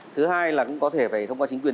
thứ hai là cũng có thể phải thông qua chính quyền